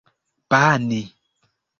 bani